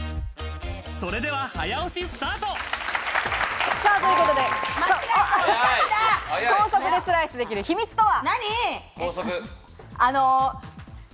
それでは早押しスタート。ということで、高速でスライスできる秘密とは。